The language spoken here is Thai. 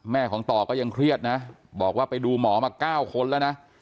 ของต่อก็ยังเครียดนะบอกว่าไปดูหมอมา๙คนแล้วนะ